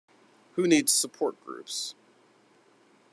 Who needs support groups?